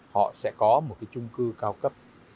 họ sẽ có một cái trung cư cao cấp